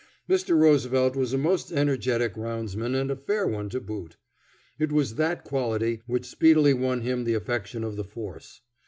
Mr. Roosevelt was a most energetic roundsman and a fair one to boot. It was that quality which speedily won him the affection of the force.